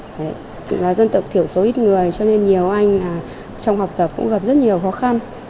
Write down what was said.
đấy là dân tộc thiểu số ít người cho nên nhiều anh trong học tập cũng gặp rất nhiều khó khăn